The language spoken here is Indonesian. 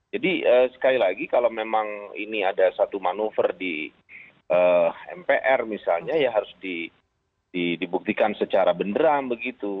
sekali lagi kalau memang ini ada satu manuver di mpr misalnya ya harus dibuktikan secara benderang begitu